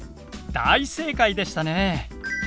大正解でしたね。